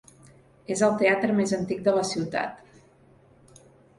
És el teatre més antic de la ciutat.